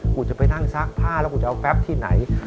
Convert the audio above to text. กูจะไปนั่งซักผ้าแล้วกูจะเอาแป๊บที่ไหน